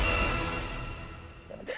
やめて！